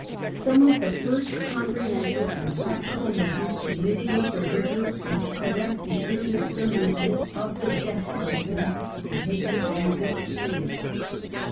Some of the first comprehensive and practical measures to mitigate the rigour and to cor rect the indiscriminateness of the death punishment were taken during this period.